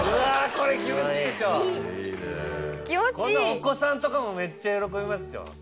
お子さんとかもめっちゃ喜びますよ。